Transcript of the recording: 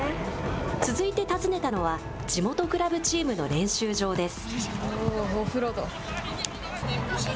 続いて訪ねたのは、地元クラブチームの練習場です。